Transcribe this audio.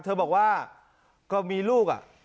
เธอบอกว่าก็มีลูก